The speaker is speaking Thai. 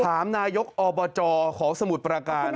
ถามนายกอบจของสมุทรประการ